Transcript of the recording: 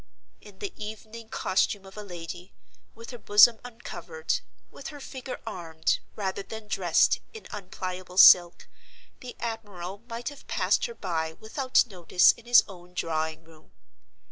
In the evening costume of a lady, with her bosom uncovered, with her figure armed, rather than dressed, in unpliable silk, the admiral might have passed her by without notice in his own drawing room.